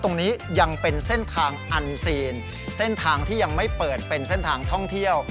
ตรงนี้ยังเป็นเส้นทางอันซีนเส้นทางที่ยังไม่เปิดเป็นเส้นทางท่องเที่ยว